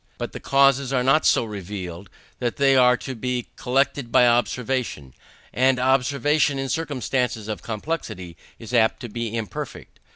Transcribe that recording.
But the causes are not so revealed: they are to be collected by observation; and observation in circumstances of complexity is apt to be imperfect.